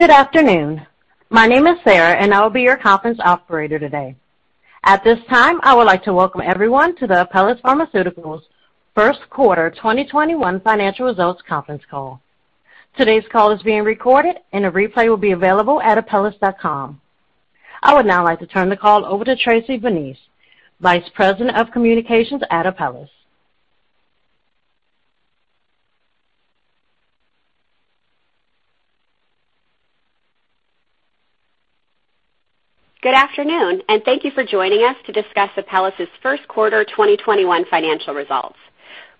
Good afternoon. My name is Sarah, and I will be your conference operator today. At this time, I would like to welcome everyone to the Apellis Pharmaceuticals Q1 2021 Financial Results Conference Call. Today's call is being recorded, and a replay will be available at apellis.com. I would now like to turn the call over to Tracy Vineis, Vice President of Communications at Apellis. Good afternoon, and thank you for joining us to discuss Apellis' Q1 2021 financial results.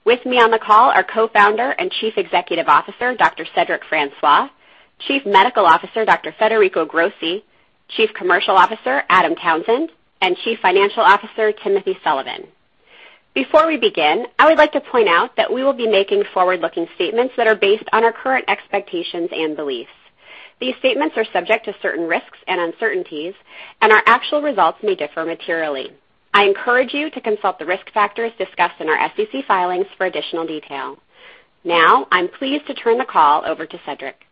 With me on the call are Co-Founder and Chief Executive Officer, Cedric Francois, Chief Medical Officer, Federico Grossi, Chief Commercial Officer, Adam Townsend, and Chief Financial Officer, Timothy Sullivan. Before we begin, I would like to point out that we will be making forward-looking statements that are based on our current expectations and beliefs. These statements are subject to certain risks and uncertainties, and our actual results may differ materially. I encourage you to consult the risk factors discussed in our SEC filings for additional detail. Now, I'm pleased to turn the call over to Cedric.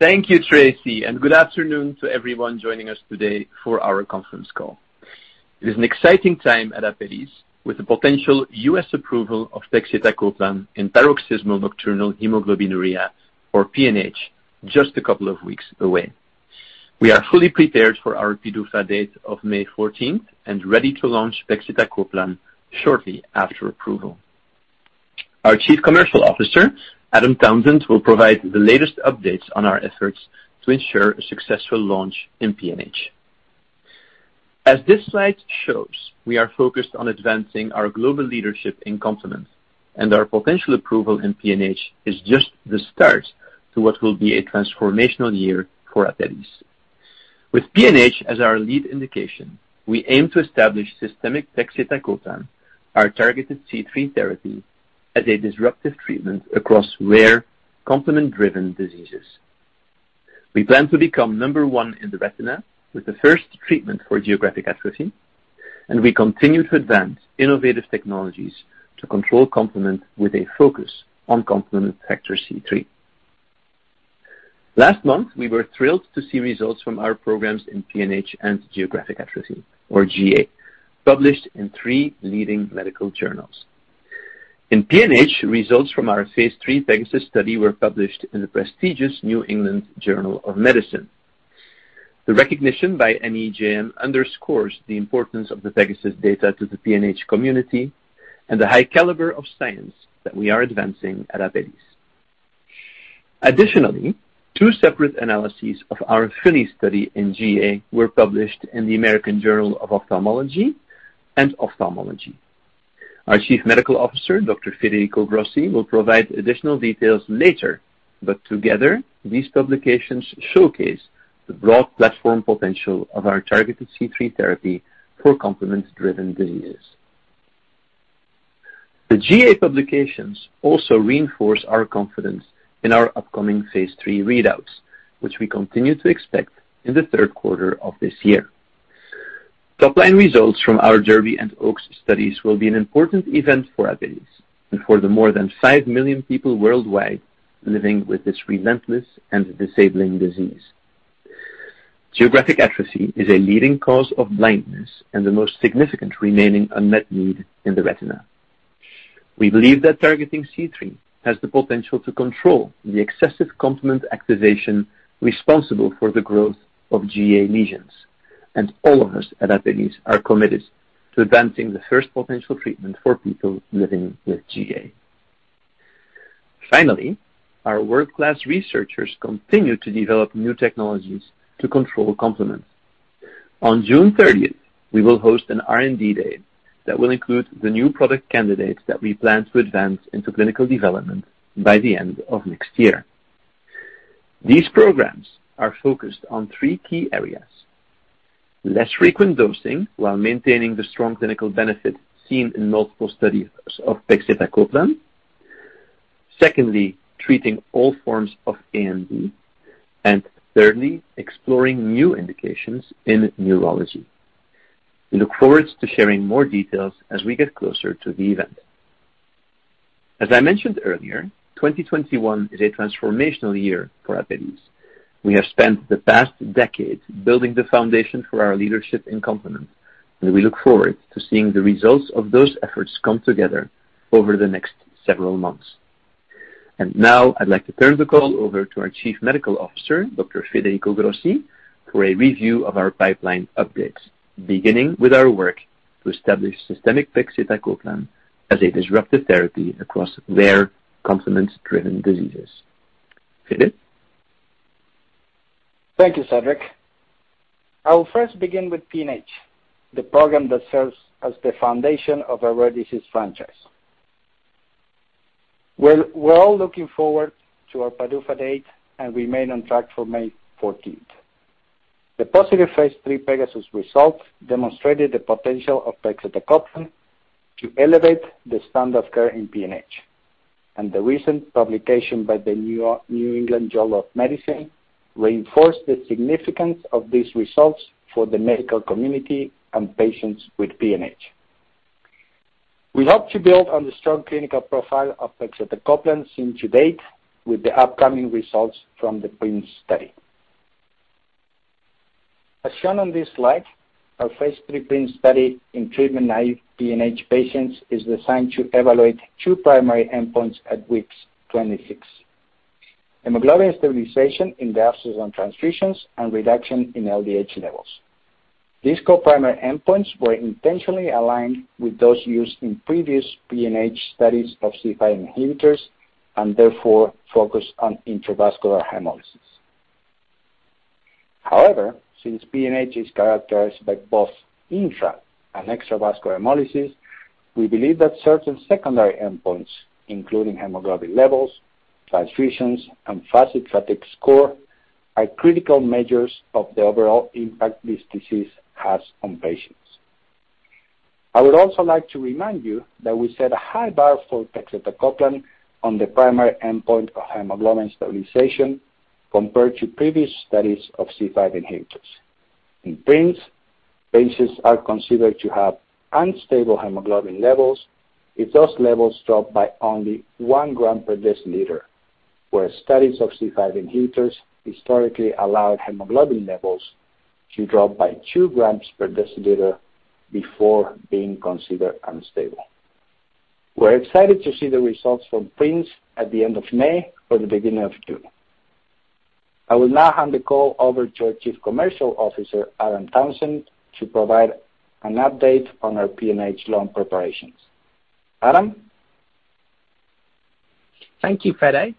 Thank you, Tracy, and good afternoon to everyone joining us today for our conference call. It is an exciting time at Apellis, with the potential U.S. approval of pegcetacoplan in paroxysmal nocturnal hemoglobinuria, or PNH, just a couple of weeks away. We are fully prepared for our PDUFA date of May 14th and ready to launch pegcetacoplan shortly after approval. Our Chief Commercial Officer, Adam Townsend, will provide the latest updates on our efforts to ensure a successful launch in PNH. As this slide shows, we are focused on advancing our global leadership in complement, and our potential approval in PNH is just the start to what will be a transformational year for Apellis. With PNH as our lead indication, we aim to establish systemic pegcetacoplan, our targeted C3 therapy, as a disruptive treatment across rare complement-driven diseases. We plan to become number one in the retina with the first treatment for geographic atrophy, and we continue to advance innovative technologies to control complement with a focus on complement factor C3. Last month, we were thrilled to see results from our programs in PNH and geographic atrophy, or GA, published in three leading medical journals. In PNH, results from our Phase III PEGASUS study were published in The New England Journal of Medicine. The recognition by NEJM underscores the importance of the PEGASUS data to the PNH community and the high caliber of science that we are advancing at Apellis. Additionally, two separate analyses of our PHINNY study in GA were published in the American Journal of Ophthalmology and Ophthalmology. Our Chief Medical Officer, Dr. Federico Grossi, will provide additional details later. Together, these publications showcase the broad platform potential of our targeted C3 therapy for complement-driven diseases. The GA publications also reinforce our confidence in our upcoming phase III readouts, which we continue to expect in the Q3 of this year. Top-line results from our DERBY and OAKS studies will be an important event for Apellis and for the more than 5 million people worldwide living with this relentless and disabling disease. Geographic atrophy is a leading cause of blindness and the most significant remaining unmet need in the retina. We believe that targeting C3 has the potential to control the excessive complement activation responsible for the growth of GA lesions, and all of us at Apellis are committed to advancing the first potential treatment for people living with GA. Our world-class researchers continue to develop new technologies to control complement. On June 30th, we will host an R&D date that will include the new product candidates that we plan to advance into clinical development by the end of next year. These programs are focused on three key areas. Less frequent dosing while maintaining the strong clinical benefit seen in multiple studies of pegcetacoplan. Secondly, treating all forms of AMD. Thirdly, exploring new indications in neurology. We look forward to sharing more details as we get closer to the event. As I mentioned earlier, 2021 is a transformational year for Apellis. We have spent the past decade building the foundation for our leadership in complement, and we look forward to seeing the results of those efforts come together over the next several months. Now I'd like to turn the call over to our Chief Medical Officer, Dr. Federico Grossi, for a review of our pipeline updates, beginning with our work to establish systemic pegcetacoplan as a disruptive therapy across rare complement-driven diseases. Fed? Thank you, Cedric. I will first begin with PNH, the program that serves as the foundation of our rare disease franchise. We're all looking forward to our PDUFA date and remain on track for May 14th. The positive phase III PEGASUS results demonstrated the potential of pegcetacoplan to elevate the standard of care in PNH, and the recent publication by The New England Journal of Medicine reinforced the significance of these results for the medical community and patients with PNH. We hope to build on the strong clinical profile of pegcetacoplan seen to date with the upcoming results from the PRINCE study. As shown on this slide, our phase III PRINCE study in treatment-naive PNH patients is designed to evaluate two primary endpoints at weeks 26. Hemoglobin stabilization in the absence on transfusions and reduction in LDH levels. These co-primary endpoints were intentionally aligned with those used in previous PNH studies of C5 inhibitors, and therefore focus on intravascular hemolysis. However, since PNH is characterized by both intra and extravascular hemolysis, we believe that certain secondary endpoints, including hemoglobin levels, transfusions, and fatigue score, are critical measures of the overall impact this disease has on patients. I would also like to remind you that we set a high bar for pegcetacoplan on the primary endpoint of hemoglobin stabilization compared to previous studies of C5 inhibitors. In PRINCE, patients are considered to have unstable hemoglobin levels if those levels drop by only one gram per deciliter. Where studies of C5 inhibitors historically allowed hemoglobin levels to drop by two grams per deciliter before being considered unstable. We're excited to see the results from PRINCE at the end of May or the beginning of June. I will now hand the call over to our Chief Commercial Officer, Adam Townsend, to provide an update on our PNH launch preparations. Adam? Thank you, Fede.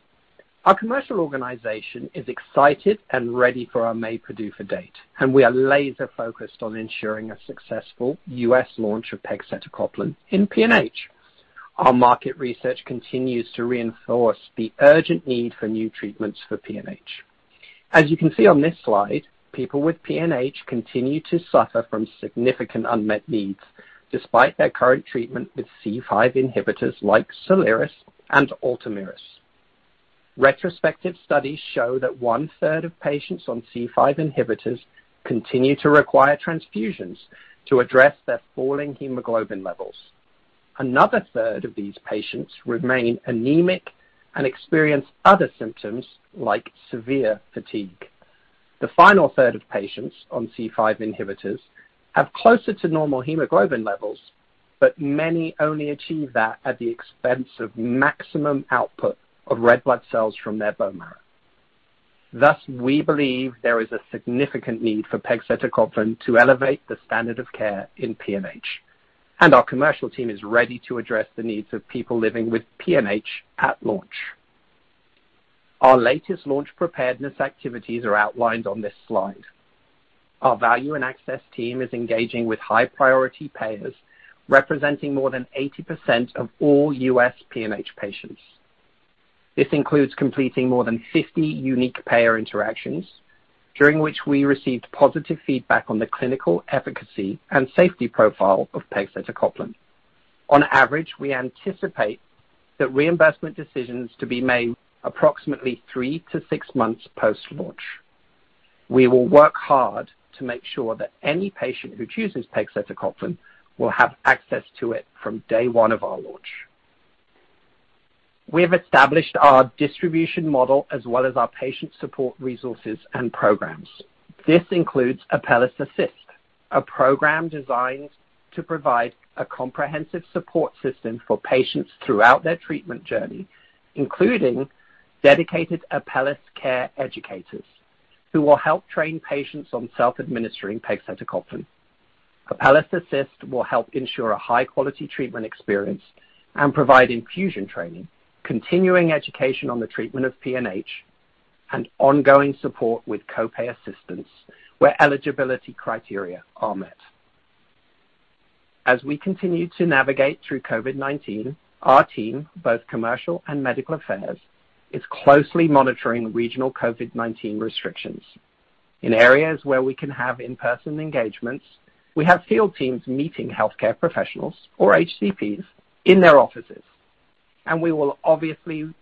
Our commercial organization is excited and ready for our May PDUFA date, and we are laser-focused on ensuring a successful U.S. launch of pegcetacoplan in PNH. Our market research continues to reinforce the urgent need for new treatments for PNH. As you can see on this slide, people with PNH continue to suffer from significant unmet needs, despite their current treatment with C5 inhibitors like Soliris and ULTOMIRIS. Retrospective studies show that one-third of patients on C5 inhibitors continue to require transfusions to address their falling hemoglobin levels. Another third of these patients remain anemic and experience other symptoms like severe fatigue. The final third of patients on C5 inhibitors have closer to normal hemoglobin levels, but many only achieve that at the expense of maximum output of red blood cells from their bone marrow. We believe there is a significant need for pegcetacoplan to elevate the standard of care in PNH, and our commercial team is ready to address the needs of people living with PNH at launch. Our latest launch preparedness activities are outlined on this slide. Our value and access team is engaging with high-priority payers, representing more than 80% of all U.S. PNH patients. This includes completing more than 50 unique payer interactions, during which we received positive feedback on the clinical efficacy and safety profile of pegcetacoplan. On average, we anticipate that reimbursement decisions to be made approximately three to six months post-launch. We will work hard to make sure that any patient who chooses pegcetacoplan will have access to it from day one of our launch. We have established our distribution model as well as our patient support resources and programs. This includes ApellisAssist, a program designed to provide a comprehensive support system for patients throughout their treatment journey, including dedicated Apellis care educators who will help train patients on self-administering pegcetacoplan. ApellisAssist will help ensure a high-quality treatment experience and provide infusion training, continuing education on the treatment of PNH, and ongoing support with co-pay assistance where eligibility criteria are met. As we continue to navigate through COVID-19, our team, both commercial and medical affairs, is closely monitoring regional COVID-19 restrictions. In areas where we can have in-person engagements, we have field teams meeting healthcare professionals or HCPs in their offices, and we will obviously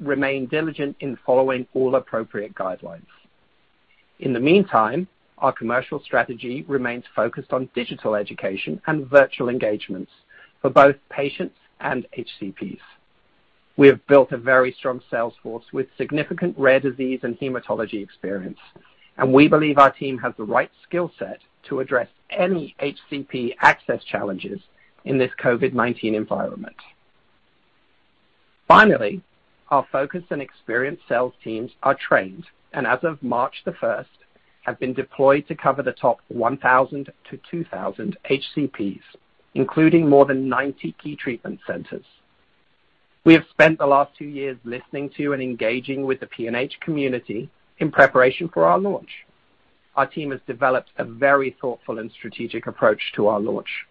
remain diligent in following all appropriate guidelines. In the meantime, our commercial strategy remains focused on digital education and virtual engagements for both patients and HCPs. We have built a very strong sales force with significant rare disease and hematology experience, and we believe our team has the right skill set to address any HCP access challenges in this COVID-19 environment. Finally, our focused and experienced sales teams are trained, and as of March the 1st, have been deployed to cover the top 1,000 to 2,000 HCPs, including more than 90 key treatment centers. We have spent the last two years listening to and engaging with the PNH community in preparation for our launch. Our team has developed a very thoughtful and strategic approach to our launch,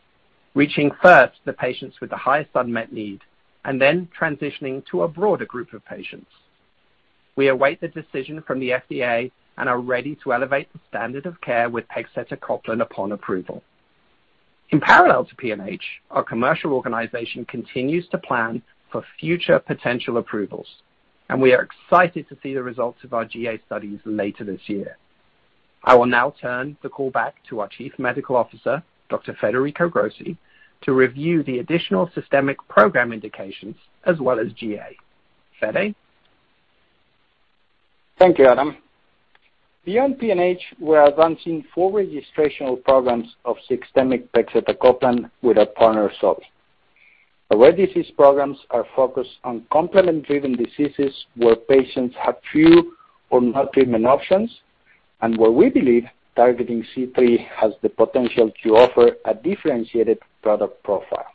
reaching first the patients with the highest unmet need and then transitioning to a broader group of patients. We await the decision from the FDA and are ready to elevate the standard of care with pegcetacoplan upon approval. In parallel to PNH, our commercial organization continues to plan for future potential approvals, and we are excited to see the results of our GA studies later this year. I will now turn the call back to our Chief Medical Officer, Dr. Federico Grossi, to review the additional systemic program indications as well as GA. Fede? Thank you, Adam. Beyond PNH, we are advancing four registrational programs of systemic pegcetacoplan with our partner, Sobi. The rare disease programs are focused on complement-driven diseases where patients have few or no treatment options, where we believe targeting C3 has the potential to offer a differentiated product profile.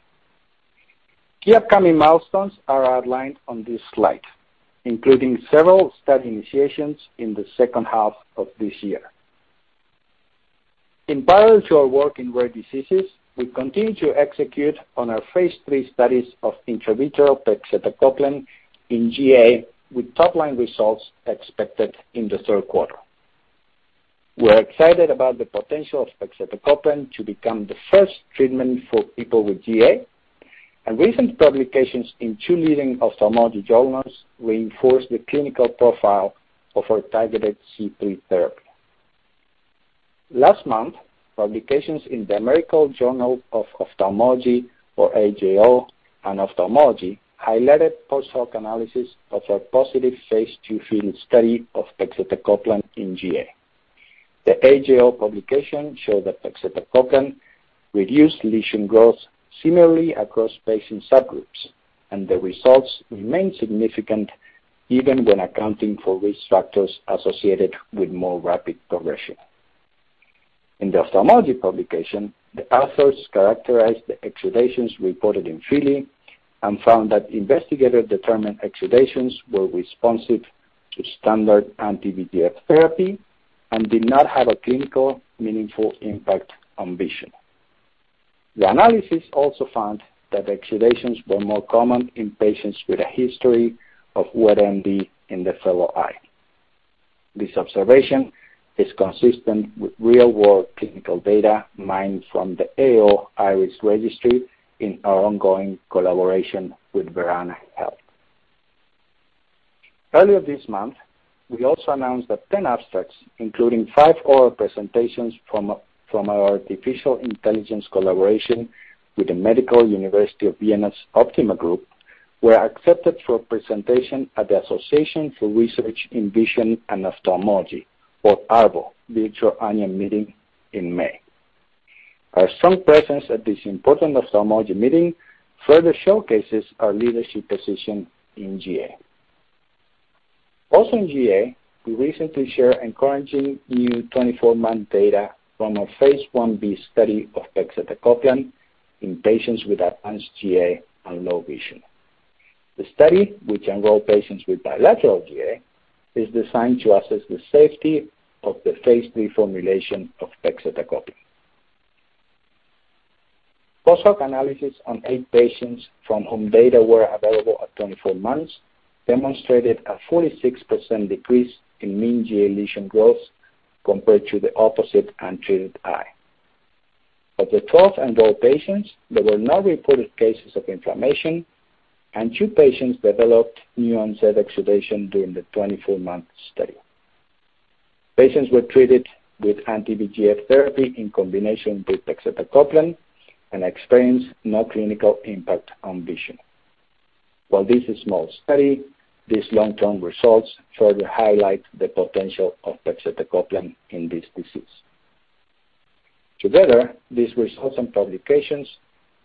Key upcoming milestones are outlined on this slide, including several study initiations in the second half of this year. In parallel to our work in rare diseases, we continue to execute on our phase III studies of intravitreally pegcetacoplan in GA, with top-line results expected in the Q3. We're excited about the potential of pegcetacoplan to become the first treatment for people with GA, recent publications in two leading ophthalmology journals reinforce the clinical profile of our targeted C3 therapy. Last month, publications in the American Journal of Ophthalmology, or AJO, and Ophthalmology highlighted post-hoc analysis of our positive phase II FILLY study of pegcetacoplan in GA. The AJO publication showed that pegcetacoplan reduced lesion growth similarly across patient subgroups, and the results remained significant even when accounting for risk factors associated with more rapid progression. In the Ophthalmology publication, the authors characterized the exudations reported in FILLY and found that investigator-determined exudations were responsive to standard anti-VEGF therapy and did not have a clinical meaningful impact on vision. The analysis also found that exudations were more common in patients with a history of wet AMD in the fellow eye. This observation is consistent with real-world clinical data mined from the AAO IRIS Registry in our ongoing collaboration with Verana Health. Earlier this month, we also announced that 10 abstracts, including five oral presentations from our artificial intelligence collaboration with the Medical University of Vienna's OPTIMA, were accepted for presentation at the Association for Research in Vision and Ophthalmology, or ARVO Virtual Annual Meeting in May. Our strong presence at this important ophthalmology meeting further showcases our leadership position in GA. Also in GA, we recently shared encouraging new 24-month data from our phase I-B study of pegcetacoplan in patients with advanced GA and low vision. The study, which enrolled patients with bilateral GA, is designed to assess the safety of the phase III formulation of pegcetacoplan. Post-hoc analysis on eight patients from whom data were available at 24 months demonstrated a 46% decrease in mean GA lesion growth compared to the opposite untreated eye. Of the 12 enrolled patients, there were no reported cases of inflammation, and two patients developed new onset exudation during the 24-month study. Patients were treated with anti-VEGF therapy in combination with pegcetacoplan and experienced no clinical impact on vision. While this is small study, these long-term results further highlight the potential of pegcetacoplan in this disease. Together, these results and publications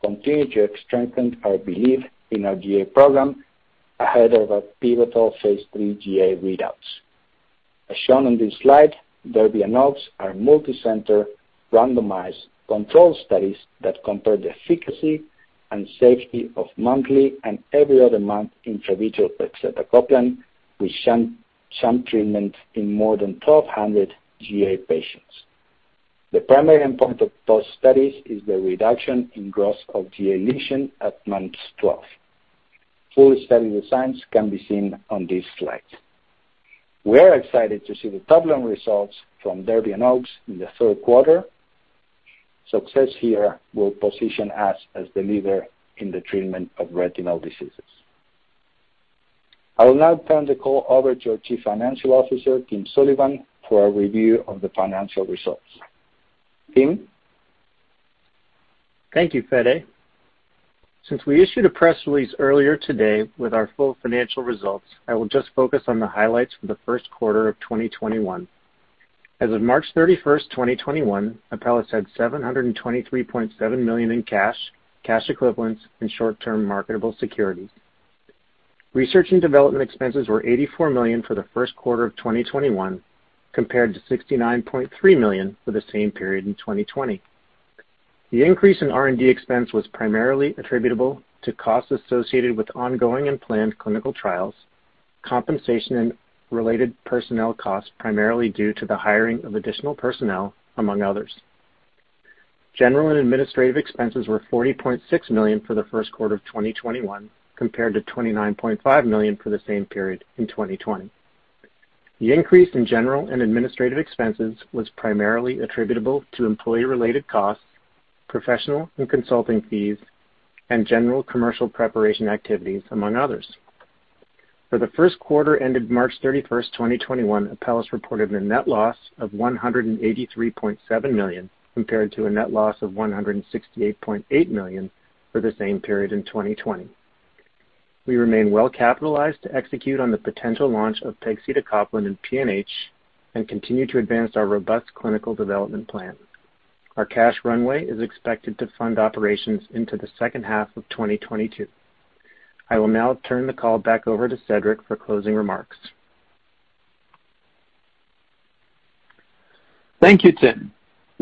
continue to strengthen our belief in our GA program ahead of our pivotal phase III GA readouts. As shown on this slide, DERBY and OAKS are multi-center, randomized control studies that compare the efficacy and safety of monthly and every other month intravitreal pegcetacoplan, which sham treatment in more than 1,200 GA patients. The primary endpoint of both studies is the reduction in growth of GA lesion at months 12. Full study designs can be seen on this slide. We are excited to see the top-line results from DERBY and OAKS in the Q3. Success here will position us as the leader in the treatment of retinal diseases. I will now turn the call over to our Chief Financial Officer, Tim Sullivan, for a review of the financial results. Tim? Thank you, Fede. Since we issued a press release earlier today with our full financial results, I will just focus on the highlights for the Q1 of 2021. As of March 31st, 2021, Apellis had $723.7 million in cash equivalents, and short-term marketable securities. Research and development expenses were $84 million for the Q1 of 2021, compared to $69.3 million for the same period in 2020. The increase in R&D expense was primarily attributable to costs associated with ongoing and planned clinical trials, compensation, and related personnel costs, primarily due to the hiring of additional personnel, among others. General and administrative expenses were $40.6 million for the Q1 of 2021, compared to $29.5 million for the same period in 2020. The increase in general and administrative expenses was primarily attributable to employee-related costs, professional and consulting fees, and general commercial preparation activities, among others. For the Q1 ended March 31st, 2021, Apellis reported a net loss of $183.7 million, compared to a net loss of $168.8 million for the same period in 2020. We remain well-capitalized to execute on the potential launch of pegcetacoplan and PNH and continue to advance our robust clinical development plan. Our cash runway is expected to fund operations into the second half of 2022. I will now turn the call back over to Cedric for closing remarks. Thank you, Tim.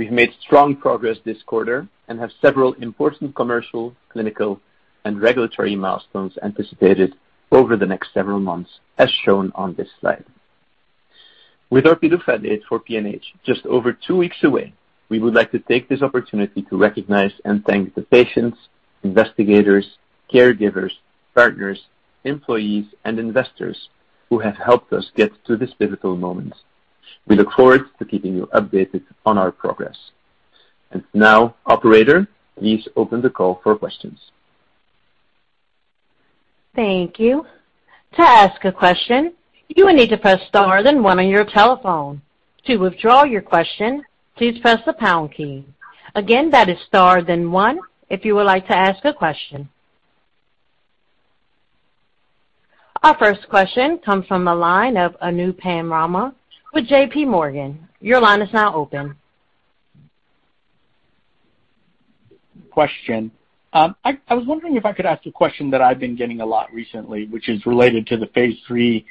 We've made strong progress this quarter and have several important commercial, clinical, and regulatory milestones anticipated over the next several months, as shown on this slide. With our PDUFA date for PNH just over two weeks away, we would like to take this opportunity to recognize and thank the patients, investigators, caregivers, partners, employees, and investors who have helped us get to this pivotal moment. We look forward to keeping you updated on our progress. Now, operator, please open the call for questions. Thank you. Our first question comes from the line of Anupam Rama with JPMorgan. Your line is now open. Question. I was wondering if I could ask a question that I've been getting a lot recently, which is related to the phase III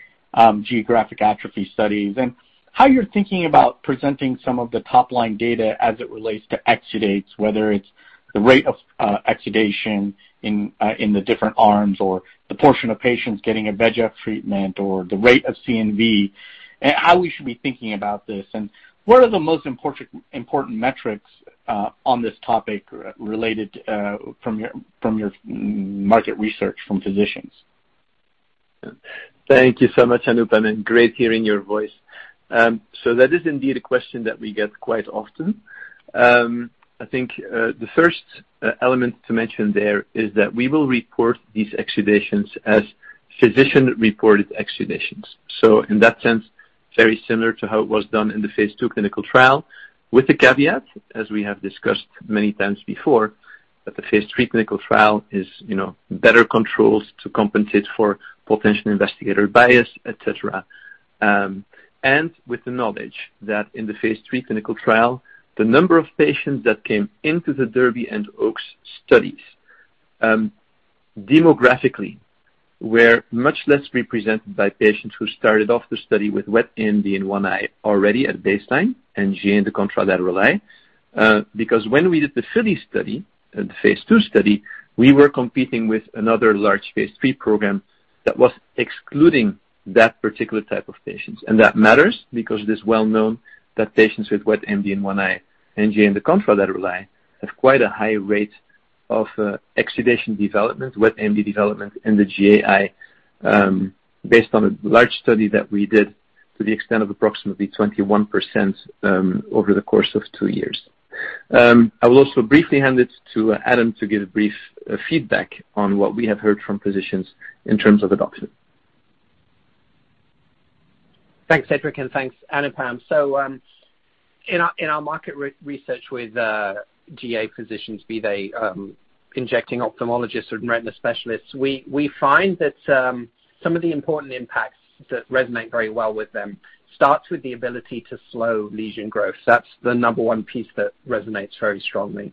geographic atrophy studies and how you're thinking about presenting some of the top-line data as it relates to exudates, whether it's the rate of exudation in the different arms or the portion of patients getting a VEGF treatment or the rate of CNV, and how we should be thinking about this. What are the most important metrics on this topic related from your market research from physicians? Thank you so much, Anupam, and great hearing your voice. That is indeed a question that we get quite often. I think the first element to mention there is that we will report these exudations as physician-reported exudations. In that sense, very similar to how it was done in the phase II clinical trial, with the caveat, as we have discussed many times before, that the phase III clinical trial is better controls to compensate for potential investigator bias, et cetera. With the knowledge that in the phase III clinical trial, the number of patients that came into the DERBY and OAKS studies demographically were much less represented by patients who started off the study with wet AMD in one eye already at baseline and GA in the contralateral eye. When we did the FILLY study, the phase II study, we were competing with another large phase III program that was excluding that particular type of patients. That matters because it is well known that patients with wet AMD in one eye and GA in the contralateral eye have quite a high rate of exudation development, wet AMD development in the GA eye, based on a large study that we did to the extent of approximately 21% over the course of two years. I will also briefly hand it to Adam to give a brief feedback on what we have heard from physicians in terms of adoption. Thanks, Cedric. Thanks, Anupam. In our market research with GA physicians, be they injecting ophthalmologists or retina specialists, we find that some of the important impacts that resonate very well with them starts with the ability to slow lesion growth. That's the number one piece that resonates very strongly.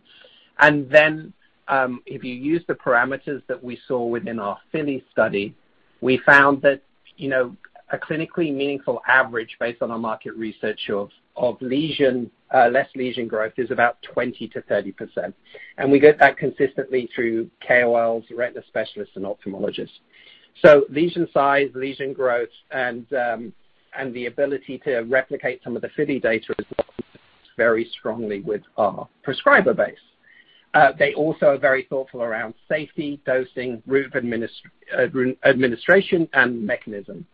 If you use the parameters that we saw within our FILLY study, we found that a clinically meaningful average based on our market research of less lesion growth is about 20%-30%. We get that consistently through KOLs, retina specialists, and ophthalmologists. Lesion size, lesion growth, and the ability to replicate some of the FILLY data resonates very strongly with our prescriber base. They also are very thoughtful around safety, dosing, route of administration, and mechanism.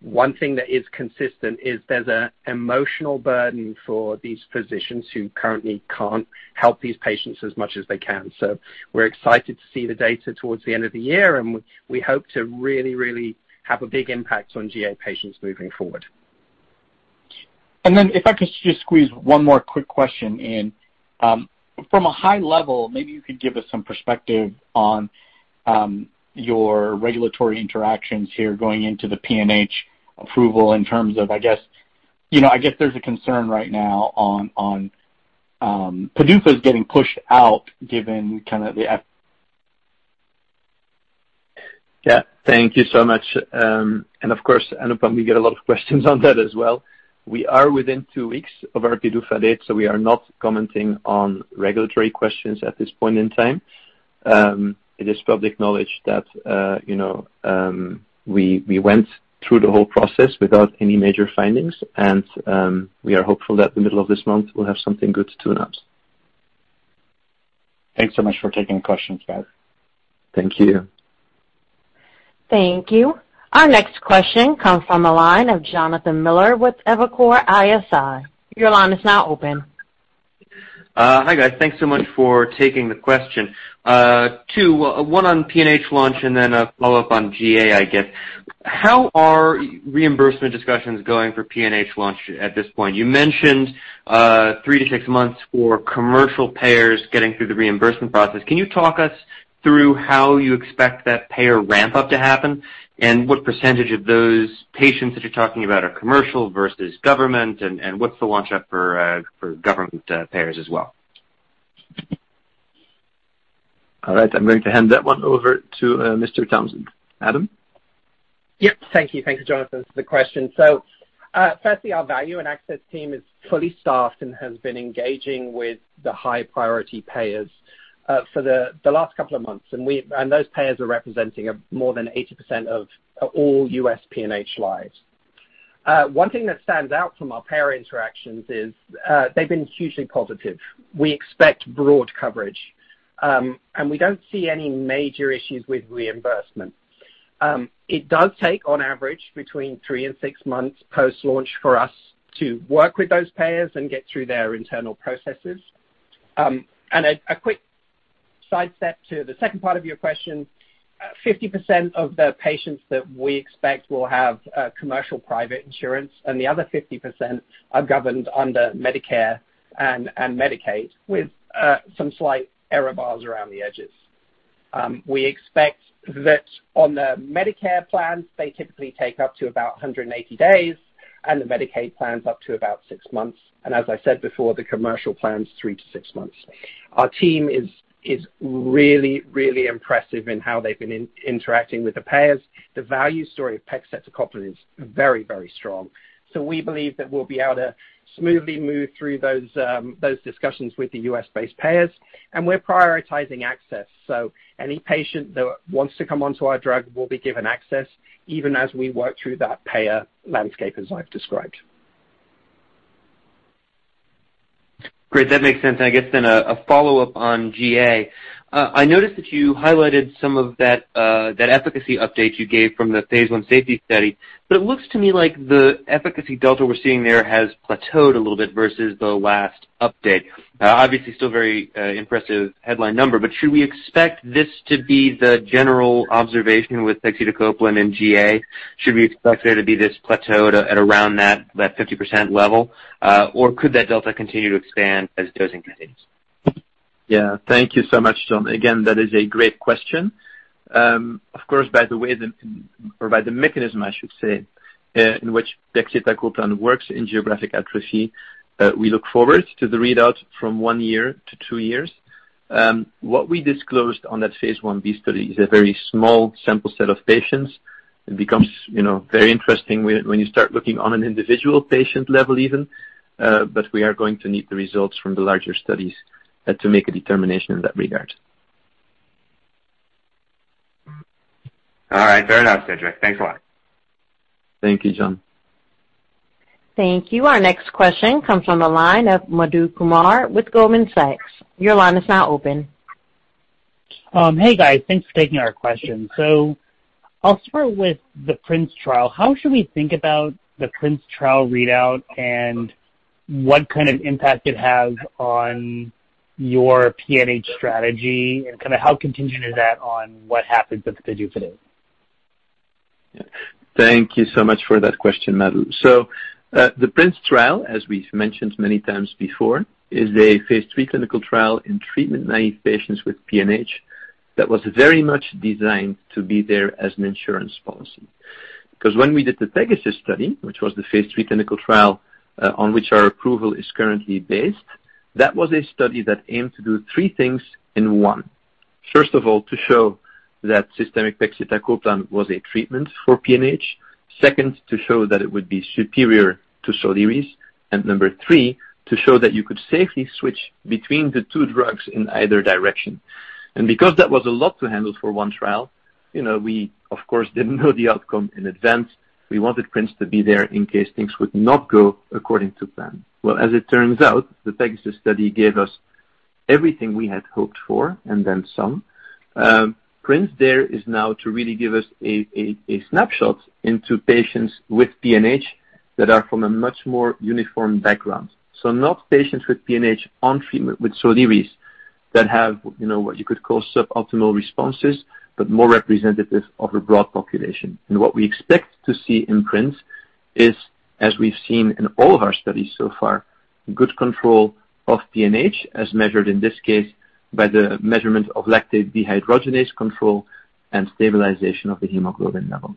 One thing that is consistent is there's an emotional burden for these physicians who currently can't help these patients as much as they can. We're excited to see the data towards the end of the year, and we hope to really have a big impact on GA patients moving forward. If I could just squeeze one more quick question in. From a high level, maybe you could give us some perspective on your regulatory interactions here going into the PNH approval in terms of, I guess, there's a concern right now on PDUFA's getting pushed out given kind of the. Yeah. Thank you so much. Of course, Anupam, we get a lot of questions on that as well. We are within two weeks of our PDUFA date, so we are not commenting on regulatory questions at this point in time. It is public knowledge that we went through the whole process without any major findings, and we are hopeful that the middle of this month we'll have something good to announce. Thanks so much for taking the questions, guys. Thank you. Thank you. Our next question comes from the line of Jonathan Miller with Evercore ISI. Your line is now open. Hi, guys. Thanks so much for taking the question. Two, one on PNH launch and then a follow-up on GA, I guess. How are reimbursement discussions going for PNH launch at this point? You mentioned three to six months for commercial payers getting through the reimbursement process. Can you talk us through how you expect that payer ramp-up to happen and what % of those patients that you're talking about are commercial versus government? What's the launch-up for government payers as well? All right. I'm going to hand that one over to Adam Townsend. Adam? Yes. Thank you. Thank you, Jonathan, for the question. Firstly, our value and access team is fully staffed and has been engaging with the high-priority payers for the last couple of months. Those payers are representing more than 80% of all U.S. PNH lives. One thing that stands out from our payer interactions is they've been hugely positive. We expect broad coverage. We don't see any major issues with reimbursement. It does take, on average, between three and six months post-launch for us to work with those payers and get through their internal processes. A quick sidestep to the second part of your question. 50% of the patients that we expect will have commercial private insurance, and the other 50% are governed under Medicare and Medicaid, with some slight error bars around the edges. We expect that on the Medicare plans, they typically take up to about 180 days, the Medicaid plans up to about six months. As I said before, the commercial plans, three months to six months. Our team is really impressive in how they've been interacting with the payers. The value story of pegcetacoplan is very strong. We believe that we'll be able to smoothly move through those discussions with the U.S.-based payers. We're prioritizing access, so any patient that wants to come onto our drug will be given access even as we work through that payer landscape as I've described. Great. That makes sense. I guess then a follow-up on GA. I noticed that you highlighted some of that efficacy update you gave from the phase I safety study, but it looks to me like the efficacy delta we're seeing there has plateaued a little bit versus the last update. Obviously, still very impressive headline number, but should we expect this to be the general observation with pegcetacoplan and GA? Should we expect there to be this plateau at around that 50% level? Could that delta continue to expand as dosing continues? Yeah. Thank you so much, Jon. Again, that is a great question. Of course, by the way, or by the mechanism, I should say, in which pegcetacoplan works in geographic atrophy, we look forward to the readout from one year to two years. What we disclosed on that phase I-B study is a very small sample set of patients. It becomes very interesting when you start looking on an individual patient level even. We are going to need the results from the larger studies to make a determination in that regard. All right. Fair enough, Cedric. Thanks a lot. Thank you, Jon. Thank you. Our next question comes from the line of Madhu Kumar with Goldman Sachs. Your line is now open. Hey, guys. Thanks for taking our question. I'll start with the PRINCE trial. How should we think about the PRINCE trial readout and what kind of impact it has on your PNH strategy? How contingent is that on what happens with pegcetacoplan? Yeah. Thank you so much for that question, Madhu. The PRINCE trial, as we've mentioned many times before, is a phase III clinical trial in treatment-naive patients with PNH that was very much designed to be there as an insurance policy. Because when we did the PEGASUS study, which was the phase III clinical trial, on which our approval is currently based, that was a study that aimed to do three things in one. First of all, to show that systemic pegcetacoplan was a treatment for PNH. Second, to show that it would be superior to Soliris. Number three, to show that you could safely switch between the two drugs in either direction. Because that was a lot to handle for one trial, we of course didn't know the outcome in advance. We wanted PRINCE to be there in case things would not go according to plan. Well, as it turns out, the PEGASUS study gave us everything we had hoped for and then some. PRINCE there is now to really give us a snapshot into patients with PNH that are from a much more uniform background. Not patients with PNH on treatment with Soliris that have what you could call suboptimal responses, but more representative of a broad population. What we expect to see in PRINCE is, as we've seen in all of our studies so far, good control of PNH as measured in this case by the measurement of lactate dehydrogenase control and stabilization of the hemoglobin levels.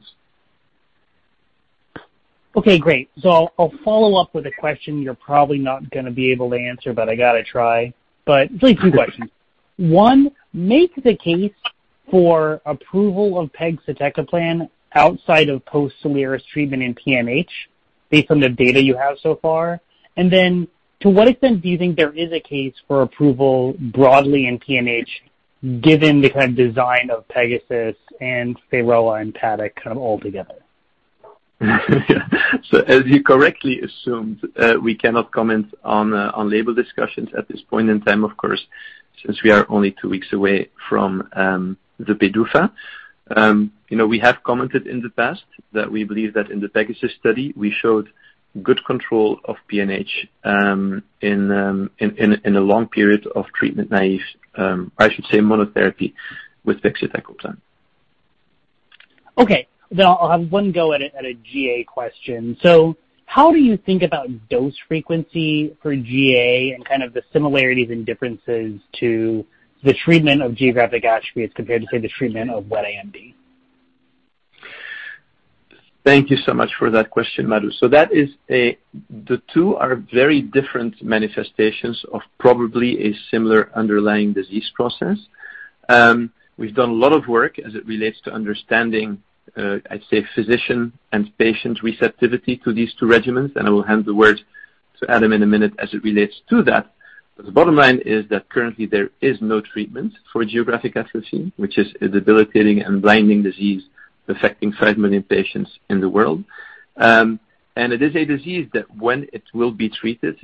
Okay, great. I'll follow up with a question you're probably not going to be able to answer, but I got to try. Really two questions. One, make the case for approval of pegcetacoplan outside of post-Soliris treatment in PNH based on the data you have so far. To what extent do you think there is a case for approval broadly in PNH, given the kind of design of PEGASUS and PHAROAH and PADDOCK kind of all together? As you correctly assumed, we cannot comment on label discussions at this point in time, of course. Since we are only two weeks away from the PDUFA. We have commented in the past that we believe that in the PEGASUS study, we showed good control of PNH in a long period of treatment-naïve, I should say, monotherapy with pegcetacoplan. Okay. I'll have one go at a GA question. How do you think about dose frequency for GA and kind of the similarities and differences to the treatment of geographic atrophy as compared to, say, the treatment of wet AMD? Thank you so much for that question, Madhu. The two are very different manifestations of probably a similar underlying disease process. We've done a lot of work as it relates to understanding, I'd say, physician and patient receptivity to these two regimens, and I will hand the word to Adam in a minute as it relates to that. The bottom line is that currently there is no treatment for geographic atrophy, which is a debilitating and blinding disease affecting 5 million patients in the world. It is a disease that when it will be treated,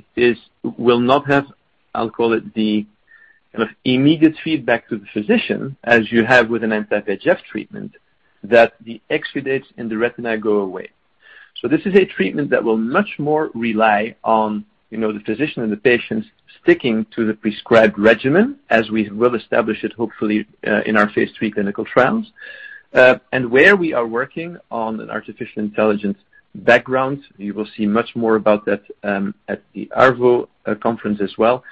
will not have, I'll call it the immediate feedback to the physician as you have with an anti-VEGF treatment that the exudates in the retina go away. This is a treatment that will much more rely on the physician and the patients sticking to the prescribed regimen as we will establish it hopefully in our phase III clinical trials. Where we are working on an artificial intelligence background, you will see much more about that at the ARVO conference as well,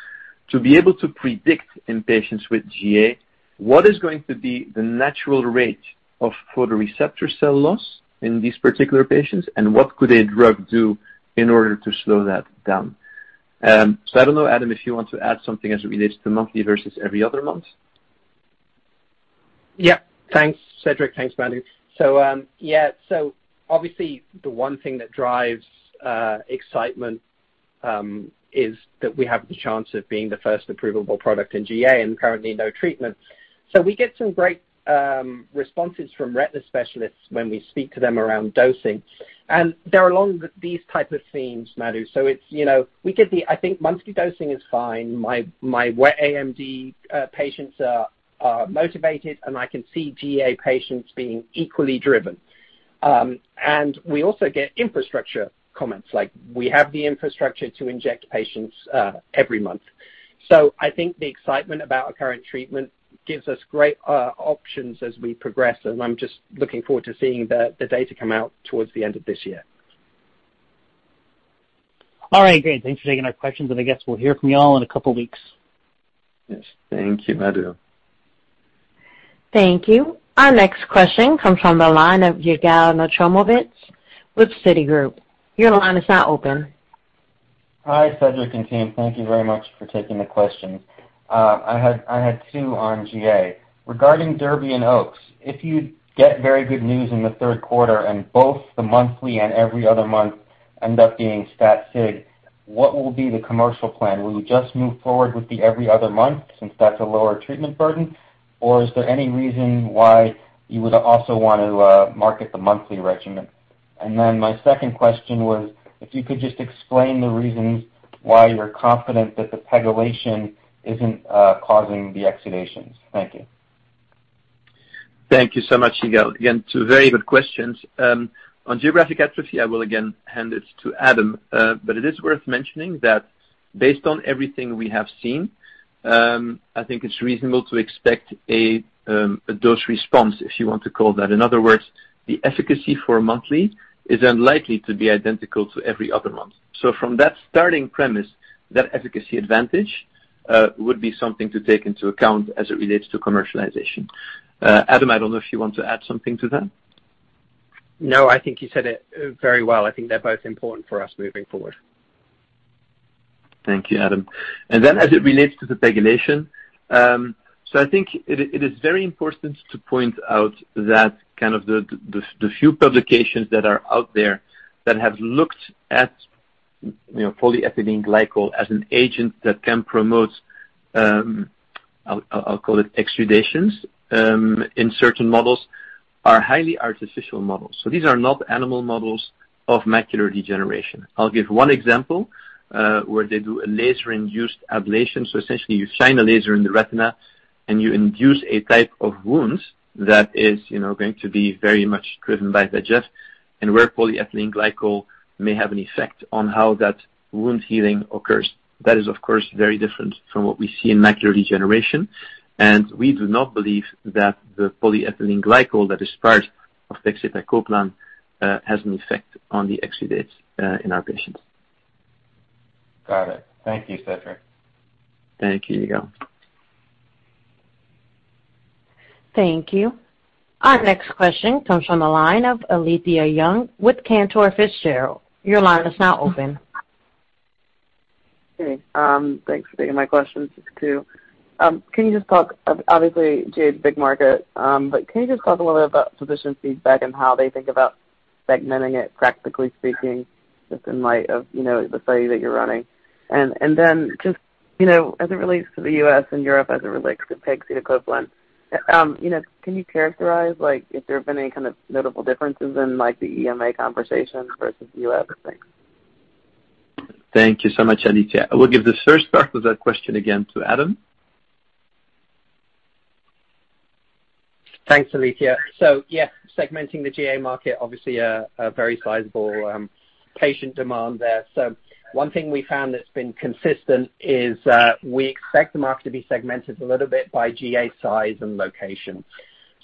to be able to predict in patients with GA what is going to be the natural rate of photoreceptor cell loss in these particular patients, and what could a drug do in order to slow that down. I don't know, Adam, if you want to add something as it relates to monthly versus every other month. Thanks, Cedric. Thanks, Madhu. Obviously, the one thing that drives excitement is that we have the chance of being the first approvable product in GA and currently no treatment. We get some great responses from retina specialists when we speak to them around dosing, and they're along these type of themes, Madhu. I think monthly dosing is fine. My wet AMD patients are motivated, and I can see GA patients being equally driven. We also get infrastructure comments like, "We have the infrastructure to inject patients every month." I think the excitement about our current treatment gives us great options as we progress, and I'm just looking forward to seeing the data come out towards the end of this year. All right. Great. Thanks for taking our questions, and I guess we'll hear from you all in a couple of weeks. Yes. Thank you, Madhu. Thank you. Our next question comes from the line of Yigal Nochomovitz with Citigroup. Your line is now open. Hi, Cedric and team. Thank you very much for taking the questions. I had two on GA. Regarding DERBY and OAKS, if you get very good news in the Q3 and both the monthly and every other month end up being stat sig, what will be the commercial plan? Will you just move forward with the every other month since that's a lower treatment burden, or is there any reason why you would also want to market the monthly regimen? My second question was if you could just explain the reasons why you're confident that the pegylation isn't causing the exudations. Thank you. Thank you so much, Yigal. Two very good questions. On geographic atrophy, I will again hand it to Adam. It is worth mentioning that based on everything we have seen, I think it's reasonable to expect a dose response, if you want to call that. In other words, the efficacy for monthly is unlikely to be identical to every other month. From that starting premise, that efficacy advantage would be something to take into account as it relates to commercialization. Adam, I don't know if you want to add something to that. No, I think you said it very well. I think they're both important for us moving forward. Thank you, Adam. As it relates to the pegylation, I think it is very important to point out that the few publications that are out there that have looked at polyethylene glycol as an agent that can promote, I'll call it exudations in certain models, are highly artificial models. These are not animal models of macular degeneration. I'll give one example where they do a laser-induced ablation. Essentially you shine a laser in the retina and you induce a type of wound that is going to be very much driven by VEGF and where polyethylene glycol may have an effect on how that wound healing occurs. That is, of course, very different from what we see in macular degeneration, and we do not believe that the polyethylene glycol that is part of pegcetacoplan has an effect on the exudates in our patients. Got it. Thank you, Cedric. Thank you, Yigal. Thank you. Our next question comes from the line of Alethia Young with Cantor Fitzgerald. Your line is now open. Hey, thanks for taking my questions too. Obviously, GA is a big market. Can you just talk a little bit about physician feedback and how they think about segmenting it, practically speaking, just in light of the study that you're running? Just as it relates to the U.S. and Europe, as it relates to pegcetacoplan, can you characterize if there have been any kind of notable differences in the EMA conversation versus U.S.? Thanks. Thank you so much, Alethia Young. I will give the first part of that question again to Adam Townsend. Thanks, Alethia Young. Yeah, segmenting the GA market, obviously a very sizable patient demand there. One thing we found that's been consistent is that we expect the market to be segmented a little bit by GA size and location.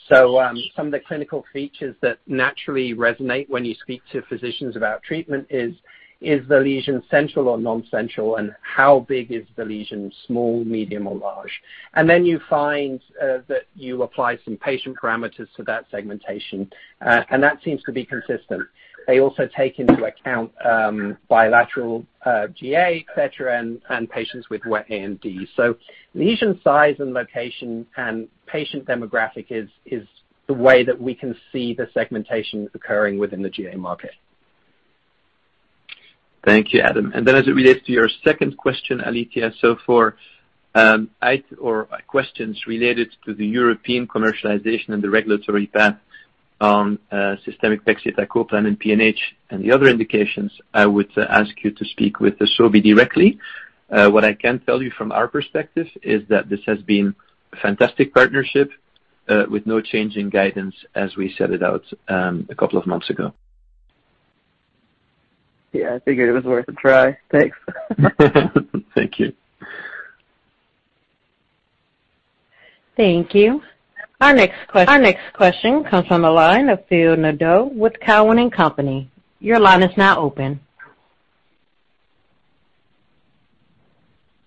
Some of the clinical features that naturally resonate when you speak to physicians about treatment is the lesion central or non-central and how big is the lesion, small, medium, or large? You find that you apply some patient parameters to that segmentation, and that seems to be consistent. They also take into account bilateral GA, et cetera, and patients with wet AMD. Lesion size and location and patient demographic is the way that we can see the segmentation occurring within the GA market. Thank you, Adam. As it relates to your second question, Alethea Young, for questions related to the European commercialization and the regulatory path on systemic pegcetacoplan and PNH and the other indications, I would ask you to speak with the Sobi directly. What I can tell you from our perspective is that this has been a fantastic partnership with no change in guidance as we set it out a couple of months ago. Yeah, I figured it was worth a try. Thanks. Thank you. Thank you. Our next question comes from the line of Philip Nadeau with Cowen and Company. Your line is now open.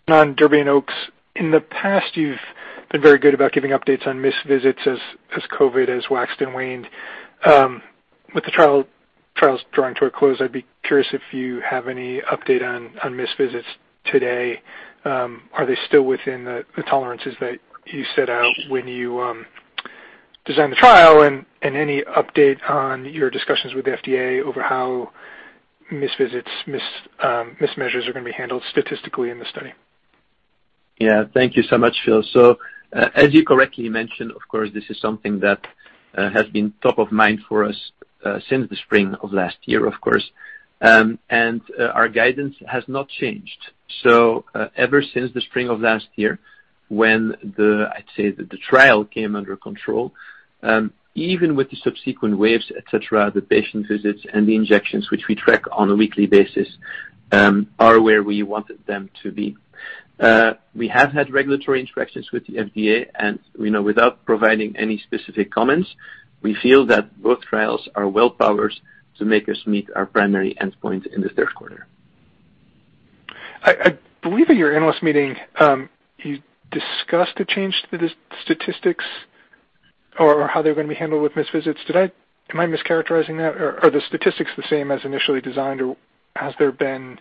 On DERBY and OAKS, in the past, you've been very good about giving updates on missed visits as COVID has waxed and waned. With the trials drawing to a close, I'd be curious if you have any update on missed visits today. Are they still within the tolerances that you set out when you designed the trial, and any update on your discussions with the FDA over how missed visits, missed measures are going to be handled statistically in the study? Yeah. Thank you so much, Phil. As you correctly mentioned, of course, this is something that has been top of mind for us since the spring of last year, of course. Our guidance has not changed. Ever since the spring of last year when the trial came under control, even with the subsequent waves, et cetera, the patient visits and the injections, which we track on a weekly basis, are where we wanted them to be. We have had regulatory interactions with the FDA, and without providing any specific comments, we feel that both trials are well-powered to make us meet our primary endpoint in the Q3. I believe at your analyst meeting, you discussed a change to the statistics or how they're going to be handled with missed visits. Am I mischaracterizing that? Are the statistics the same as initially designed, or has there been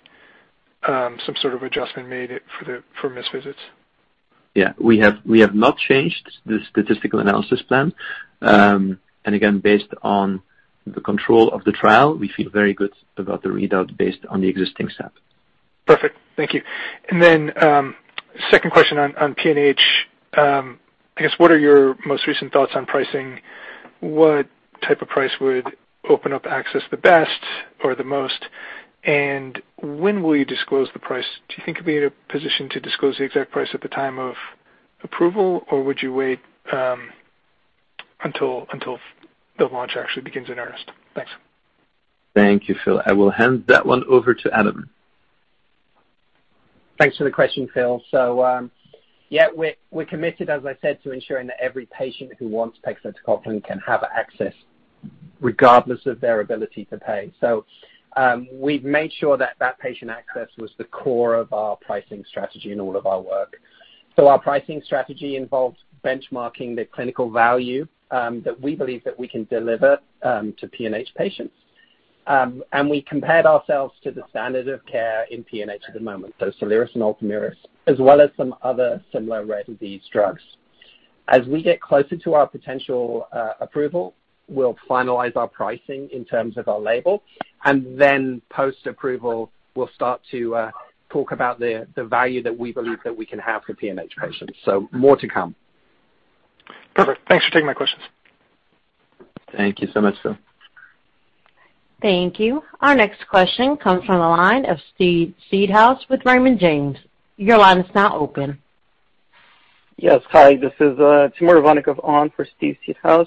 some sort of adjustment made for missed visits? Yeah. We have not changed the statistical analysis plan. Again, based on the control of the trial, we feel very good about the readout based on the existing stat. Perfect. Thank you. Second question on PNH. I guess what are your most recent thoughts on pricing? What type of price would open up access the best or the most, and when will you disclose the price? Do you think you'll be in a position to disclose the exact price at the time of approval, or would you wait until the launch actually begins in earnest? Thanks. Thank you, Phil. I will hand that one over to Adam. Thanks for the question, Phil. Yeah, we're committed, as I said, to ensuring that every patient who wants pegcetacoplan can have access regardless of their ability to pay. We've made sure that that patient access was the core of our pricing strategy in all of our work. Our pricing strategy involves benchmarking the clinical value that we believe that we can deliver to PNH patients. We compared ourselves to the standard of care in PNH at the moment, so Soliris and ULTOMIRIS, as well as some other similar rare disease drugs. As we get closer to our potential approval, we'll finalize our pricing in terms of our label, and then post-approval, we'll start to talk about the value that we believe that we can have for PNH patients. More to come. Perfect. Thanks for taking my questions. Thank you so much, Phil. Thank you. Our next question comes from the line of Steve Seedhouse with Raymond James. Yes. Hi. This is Timur Ivannikov on for Steve Seedhouse.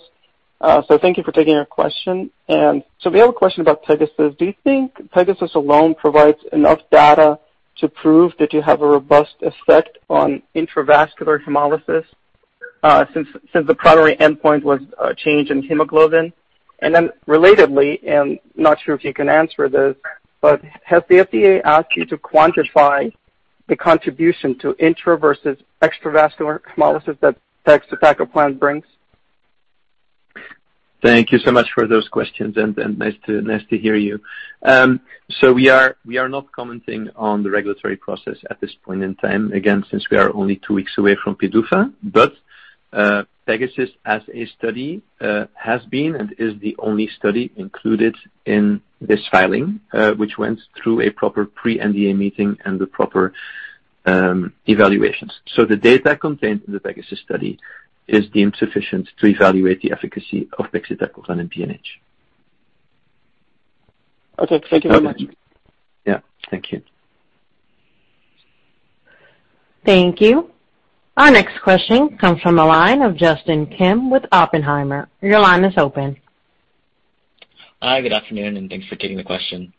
Thank you for taking our question. We have a question about PEGASUS. Do you think PEGASUS alone provides enough data to prove that you have a robust effect on intravascular hemolysis, since the primary endpoint was a change in hemoglobin? Relatedly, and not sure if you can answer this, but has the FDA asked you to quantify the contribution to intra versus extravascular hemolysis that pegcetacoplan brings? Thank you so much for those questions, and nice to hear you. We are not commenting on the regulatory process at this point in time, again, since we are only two weeks away from PDUFA. PEGASUS as a study, has been and is the only study included in this filing, which went through a proper pre-NDA meeting and the proper evaluations. The data contained in the PEGASUS study is deemed sufficient to evaluate the efficacy of pegcetacoplan in PNH. Okay. Thank you very much. Yeah. Thank you. Thank you. Our next question comes from the line of Justin Kim with Oppenheimer. Hi, good afternoon, and thanks for taking the question.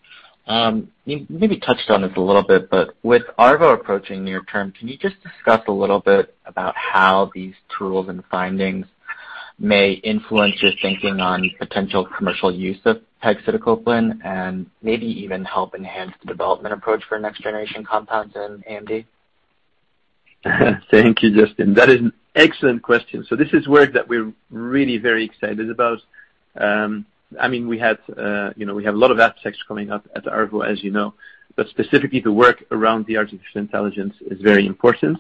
You maybe touched on this a little bit, with ARVO approaching near term, can you just discuss a little bit about how these tools and findings may influence your thinking on potential commercial use of pegcetacoplan and maybe even help enhance the development approach for next-generation compounds in AMD? Thank you, Justin. That is an excellent question. This is work that we're really very excited about. We have a lot of abstracts coming up at ARVO, as you know. Specifically, the work around the artificial intelligence is very important.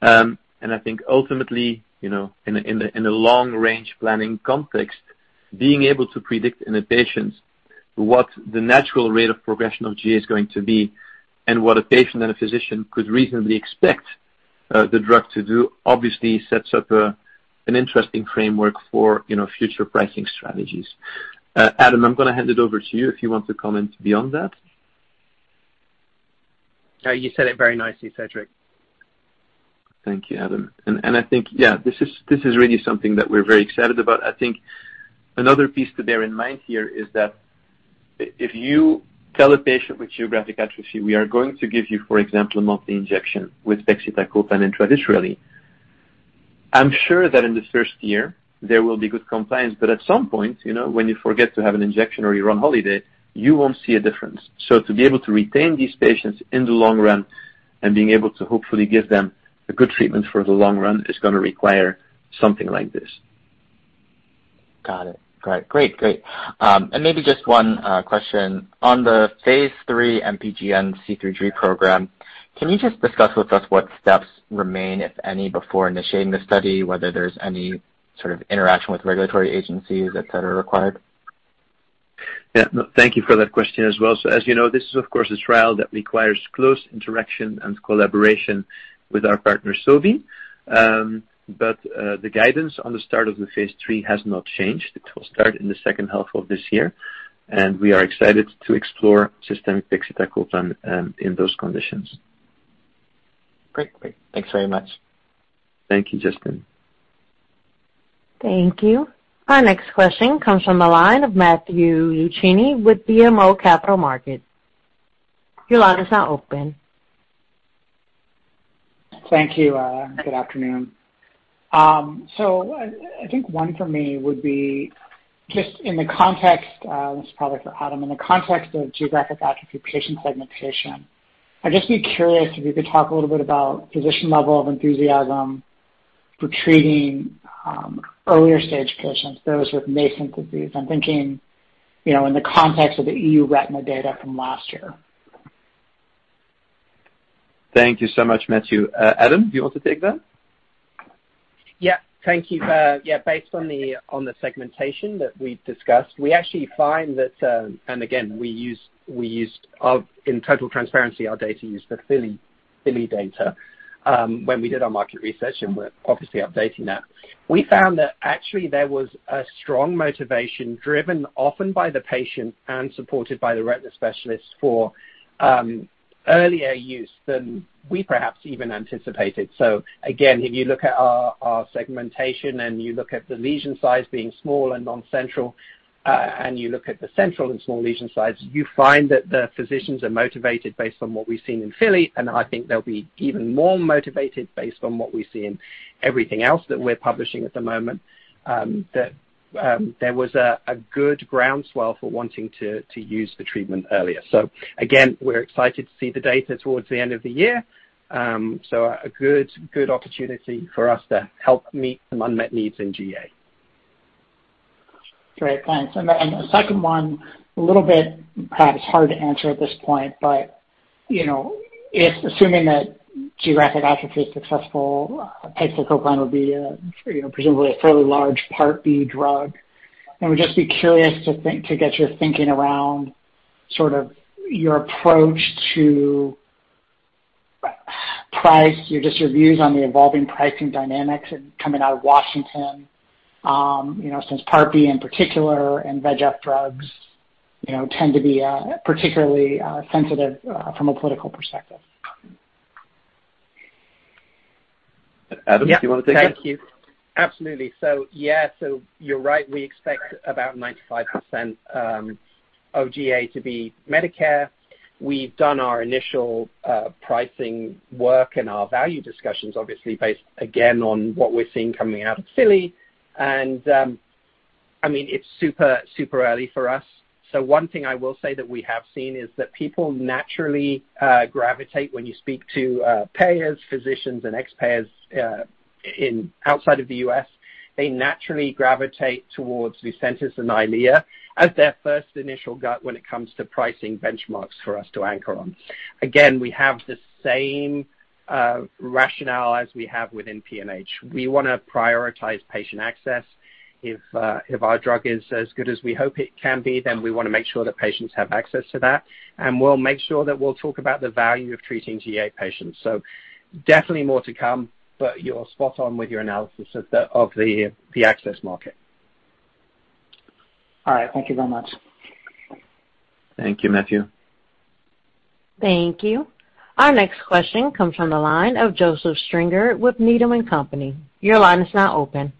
I think ultimately, in the long-range planning context, being able to predict in a patient what the natural rate of progression of GA is going to be and what a patient and a physician could reasonably expect the drug to do obviously sets up an interesting framework for future pricing strategies. Adam, I'm going to hand it over to you if you want to comment beyond that. You said it very nicely, Cedric. Thank you, Adam. I think this is really something that we're very excited about. I think another piece to bear in mind here is that if you tell a patient with geographic atrophy, "We are going to give you, for example, a monthly injection with pegcetacoplan intravitreally," I'm sure that in the first year, there will be good compliance. At some point, when you forget to have an injection or you're on holiday, you won't see a difference. To be able to retain these patients in the long run and being able to hopefully give them a good treatment for the long run is going to require something like this. Got it. Great. Maybe just one question. On the phase III MPGN C3G program, can you just discuss with us what steps remain, if any, before initiating the study, whether there's any sort of interaction with regulatory agencies, et cetera, required? Yeah. No, thank you for that question as well. As you know, this is of course a trial that requires close interaction and collaboration with our partner, Sobi. The guidance on the start of the phase III has not changed. It will start in the second half of this year, and we are excited to explore systemic pegcetacoplan in those conditions. Great. Thanks very much. Thank you, Justin. Thank you. Our next question comes from the line of Matthew Luchini with BMO Capital Markets. Your line is now open. Thank you. Good afternoon. I think one for me would be just in the context, this is probably for Adam, in the context of geographic atrophy patient segmentation. I'd just be curious if you could talk a little bit about physician level of enthusiasm for treating earlier-stage patients, those with nascent disease. I'm thinking, in the context of the EURETINA data from last year. Thank you so much, Matthew. Adam, do you want to take that? Thank you. Based on the segmentation that we discussed, we actually find that, and again, in total transparency, our data used the FILLY data when we did our market research, and we're obviously updating that. We found that actually there was a strong motivation driven often by the patient and supported by the retina specialist for earlier use than we perhaps even anticipated. Again, if you look at our segmentation and you look at the lesion size being small and non-central, and you look at the central and small lesion size, you find that the physicians are motivated based on what we've seen in FILLY. I think they'll be even more motivated based on what we see in everything else that we're publishing at the moment, that there was a good groundswell for wanting to use the treatment earlier. Again, we're excited to see the data towards the end of the year. A good opportunity for us to help meet some unmet needs in GA. Great, thanks. The second one, a little bit perhaps hard to answer at this point, but if assuming that geographic atrophy is successful, pegcetacoplan would be presumably a fairly large Part B drug. I would just be curious to get your thinking around sort of your approach to price, just your views on the evolving pricing dynamics coming out of Washington. Since Part B in particular and VEGF drugs tend to be particularly sensitive from a political perspective. Adam, do you want to take that? Yeah. Thank you. Absolutely. Yeah, you're right. We expect about 95% of GA to be Medicare. We've done our initial pricing work and our value discussions, obviously, based, again, on what we're seeing coming out of FILLY. It's super early for us. One thing I will say that we have seen is that people naturally gravitate when you speak to payers, physicians, and ex-payers outside of the U.S. They naturally gravitate towards Lucentis and Eylea as their first initial gut when it comes to pricing benchmarks for us to anchor on. Again, we have the same rationale as we have within PNH. We want to prioritize patient access. If our drug is as good as we hope it can be, we want to make sure that patients have access to that, we'll make sure that we'll talk about the value of treating GA patients. Definitely more to come, but you're spot on with your analysis of the access market. All right. Thank you very much. Thank you, Matthew. Thank you. Our next question comes from the line of Joseph Stringer with Needham & Company. Your line is now open.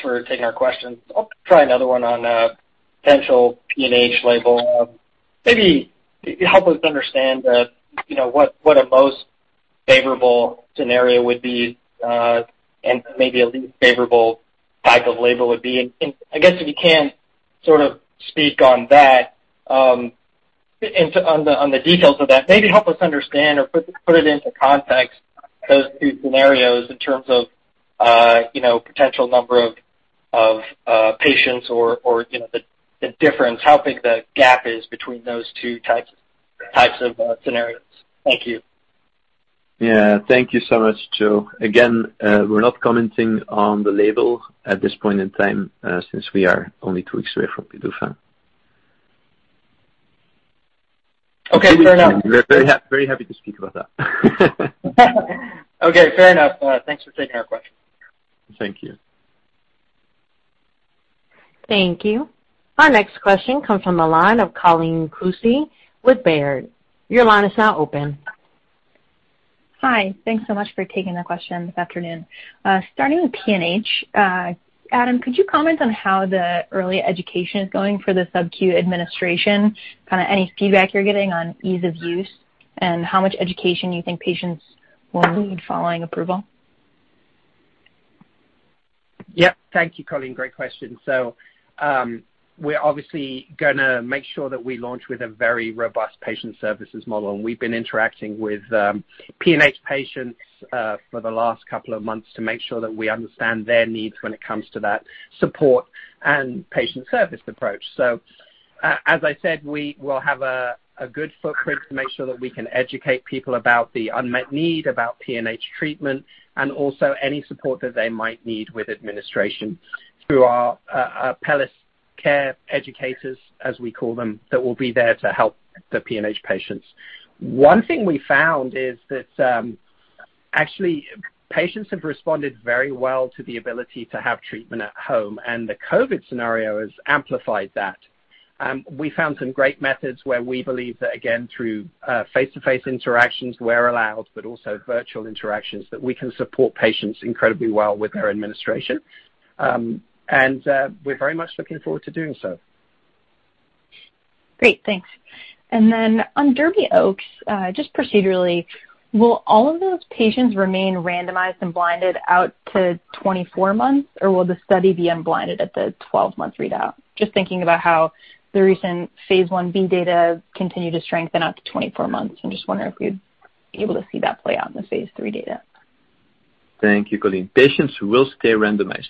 Thanks for taking our question. I'll try another one on potential PNH label. Maybe help us understand what a most favorable scenario would be, and maybe a least favorable type of label would be. I guess if you can sort of speak on the details of that, maybe help us understand or put it into context, those two scenarios in terms of potential number of patients or the difference, how big the gap is between those two types of scenarios. Thank you. Yeah. Thank you so much, Joe. Again, we're not commenting on the label at this point in time, since we are only two weeks away from PDUFA. Okay. Fair enough. We're very happy to speak about that. Okay. Fair enough. Thanks for taking our question. Thank you. Thank you. Our next question comes from the line of Colleen Kusy with Baird. Your line is now open. Hi. Thanks so much for taking the question this afternoon. Starting with PNH, Adam, could you comment on how the early education is going for the subQ administration? How much education you think patients will need following approval? Yeah. Thank you, Colleen. Great question. We're obviously going to make sure that we launch with a very robust patient services model. We've been interacting with PNH patients for the last couple of months to make sure that we understand their needs when it comes to that support and patient service approach. As I said, we will have a good footprint to make sure that we can educate people about the unmet need about PNH treatment and also any support that they might need with administration through our Apellis care educators, as we call them, that will be there to help the PNH patients. One thing we found is that actually, patients have responded very well to the ability to have treatment at home, and the COVID scenario has amplified that. We found some great methods where we believe that, again, through face-to-face interactions where allowed, but also virtual interactions, that we can support patients incredibly well with their administration. We're very much looking forward to doing so. Great. Thanks. On DERBY OAKS, just procedurally, will all of those patients remain randomized and blinded out to 24 months or will the study be unblinded at the 12-month readout? Just thinking about how the recent phase I-B data continued to strengthen out to 24 months, just wondering if we'd be able to see that play out in the phase III data. Thank you, Colleen. Patients will stay randomized.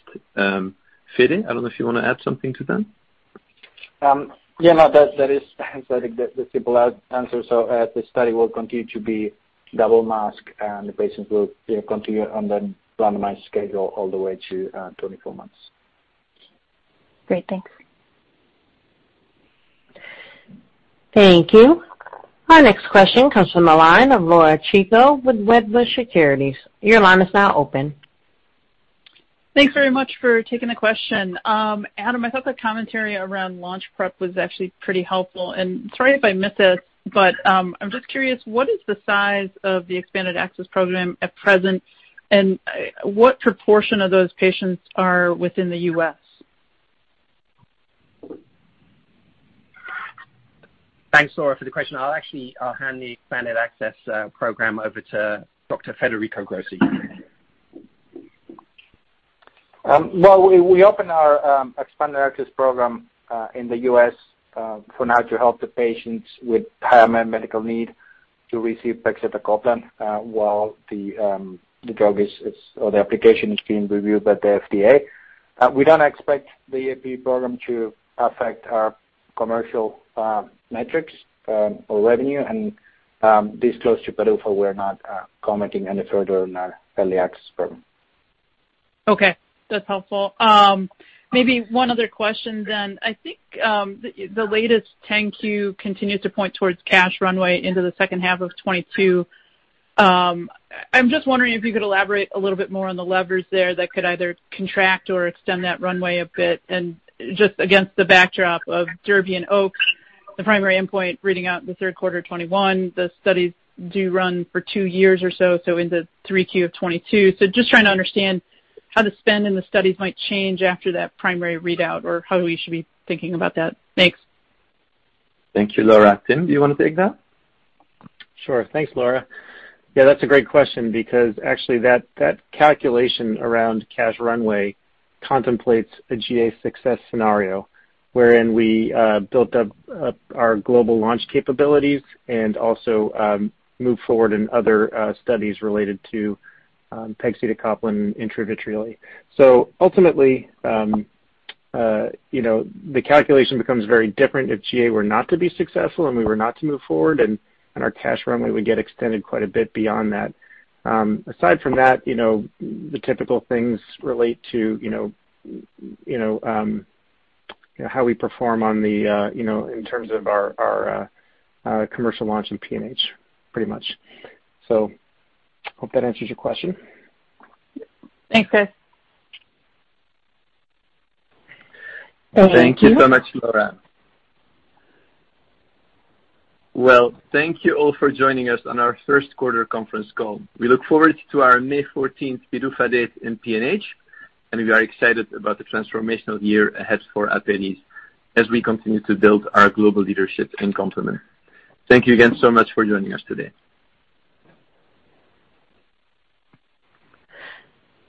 Federico, I don't know if you want to add something to that? Yeah, no. That is, I think, the simple answer. The study will continue to be double-masked, and the patients will continue on the randomized schedule all the way to 24 months. Great. Thanks. Thank you. Our next question comes from the line of Laura Chico with Wedbush Securities. Your line is now open. Thanks very much for taking the question. Adam, I thought the commentary around launch prep was actually pretty helpful. Sorry if I missed this, but I'm just curious, what is the size of the expanded access program at present, and what proportion of those patients are within the U.S.? Thanks, Laura, for the question. I'll actually hand the expanded access program over to Dr. Federico Grossi. Well, we opened our expanded access program in the U.S. for now to help the patients with paramount medical need to receive pegcetacoplan while the application is being reviewed by the FDA. We don't expect the AP program to affect our commercial metrics or revenue. This close to PDUFA, we're not commenting any further on our early access program. Okay. That's helpful. Maybe one other question. I think the latest 10-Q continues to point towards cash runway into the second half of 2022. I'm just wondering if you could elaborate a little bit more on the levers there that could either contract or extend that runway a bit. Just against the backdrop of DERBY and OAKS, the primary endpoint reading out in the Q3 of 2021, the studies do run for two years or so into 3Q of 2022. Just trying to understand how the spend and the studies might change after that primary readout, or how we should be thinking about that. Thanks. Thank you, Laura. Tim, do you want to take that? Sure. Thanks, Laura. Yeah, that's a great question because actually that calculation around cash runway contemplates a GA success scenario wherein we built up our global launch capabilities and also moved forward in other studies related to pegcetacoplan intravitreally. Ultimately, the calculation becomes very different if GA were not to be successful and we were not to move forward and our cash runway would get extended quite a bit beyond that. Aside from that, the typical things relate to how we perform in terms of our commercial launch in PNH, pretty much. Hope that answers your question. Thanks, Tim Sullivan. Thank you. Thank you so much, Laura. Well, thank you all for joining us on our Q1 conference call. We look forward to our May 14th PDUFA date in PNH, and we are excited about the transformational year ahead for Apellis as we continue to build our global leadership in complement. Thank you again so much for joining us today.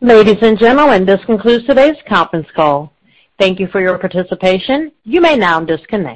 Ladies and gentlemen, this concludes today's conference call. Thank you for your participation. You may now disconnect.